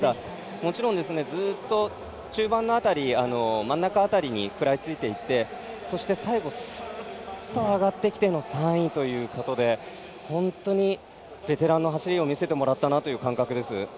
もちろん、ずっと中盤の辺り真ん中辺りに食らいついていってそして最後、スッと上がってきての３位ということで本当にベテランの走りを見せてもらったなという感覚です。